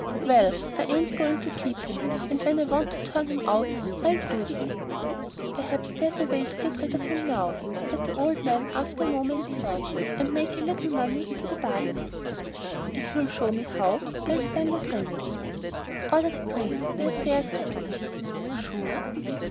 "Well, I ain't going to keep him. And when I want to turn him out I'll do so." "Perhaps there's a way to get rid of him now," said the old man after a moment's thought, "and make a little money into the bargain." "If you'll show me how, I'll stand a drink." "Order the drinks, the affair's settled." "Sure?